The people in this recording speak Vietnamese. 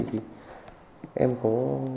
thì em có